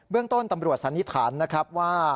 เรื่องต้นตำรวจสันนิษฐานนะครับว่า